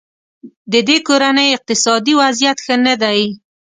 ددې کورنۍ اقتصادي وضیعت ښه نه دی.